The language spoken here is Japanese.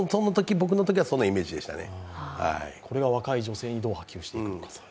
僕のときはそのイメージでしたね。